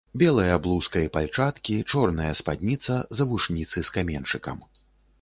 Белая блузка і пальчаткі, чорная спадніца, завушніцы з каменьчыкам.